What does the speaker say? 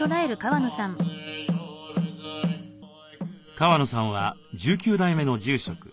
川野さんは１９代目の住職。